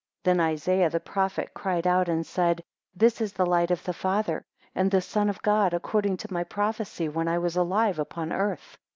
5 Then Isaiah the prophet cried out and said, This is the light of the Father, and the Son of God, according to my prophecy, when I was alive upon earth.